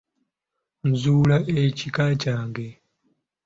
Nzuula ekika kyange.